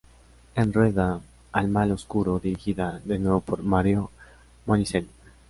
En rueda "Il male oscuro" dirigida, de nuevo, por Mario Monicelli.